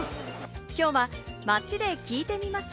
今日は街で聞いてみました。